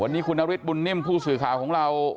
วันนี้คุณนฤทธบุญนิ่มผู้สื่อข่าวของเรา